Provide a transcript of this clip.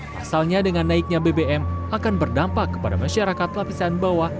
pasalnya dengan naiknya bbm akan berdampak kepada masyarakat lapisan bawah